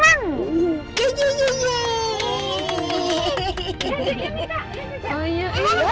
saya lagi bercinta sama kayu